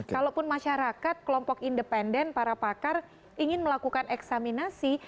kalaupun masyarakat kelompok independen para pakar ingin melakukan eksaminasi